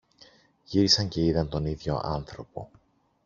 Γύρισαν και είδαν τον ίδιο άνθρωπο.